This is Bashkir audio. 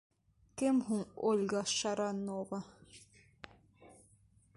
Кем һуң Ольга Шаронова?